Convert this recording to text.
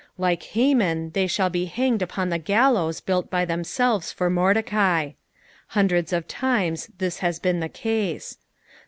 Like Uaman they shall * be hanged upon the gallows built by themselves for Mordecai. Hundreds of times has this been the case.